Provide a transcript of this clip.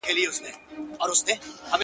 « ګیدړ چي مخ پر ښار ځغلي راغلی یې اجل دی» -